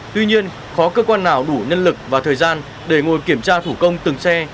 tuy nhiên khó cơ quan nào đủ nhân lực và thời gian để ngồi kiểm tra thủ công từng xe